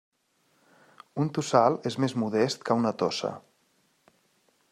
Un tossal és més modest que una tossa.